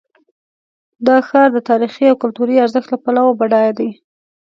دا ښار د تاریخي او کلتوري ارزښت له پلوه بډایه دی.